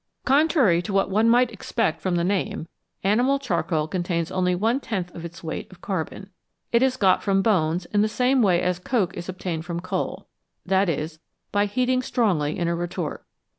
Contrary to what one might expect from the name, animal charcoal contains only one tenth of its weight of carbon. It is got from bones in the same way as coke is obtained from coal, that is, by heating strongly in a retort.